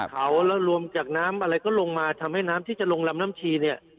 เขาแล้วรวมจากน้ำอะไรก็ลงมาทำให้น้ำที่จะลงลำน้ำชีเนี่ย